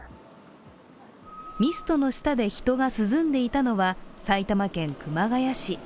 ミストの下で人が涼んでいたのは埼玉県熊谷市。